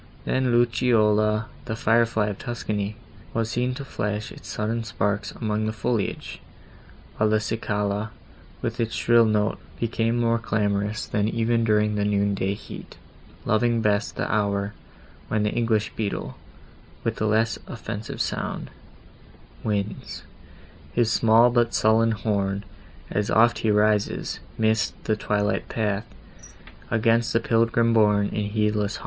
Then the lucciola, the fire fly of Tuscany, was seen to flash its sudden sparks among the foliage, while the cicala, with its shrill note, became more clamorous than even during the noon day heat, loving best the hour when the English beetle, with less offensive sound, winds His small but sullen horn, As oft he rises 'midst the twilight path, Against the pilgrim borne in heedless hum.